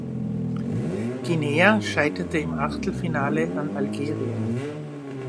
Guinea scheiterte im Achtelfinale an Algerien.